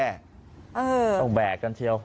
เออต้องแบกกันเชียว